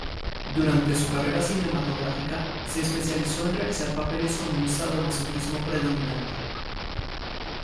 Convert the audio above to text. Durante su carrera cinematográfica se especializó en realizar papeles con un sadomasoquismo predominante.